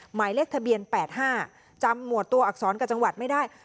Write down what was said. หมายเลขทะเบียน๘๕จำหมวดตัวอักษรกับจังหวัดไม่ได้